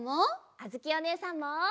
あづきおねえさんも！